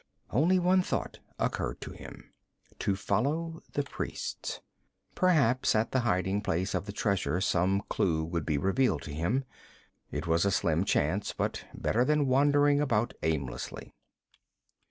Only one thought occurred to him to follow the priests. Perhaps at the hiding place of the treasure some clue would be revealed to him. It was a slim chance, but better than wandering about aimlessly.